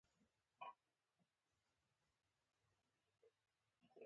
، د دې کلا گانو قدامت چا ته هم معلوم نه دی،